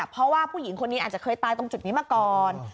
เพราะว่าผู้หญิงคนนี้อาจจะเคยตายตรงจุดนี้มาก่อน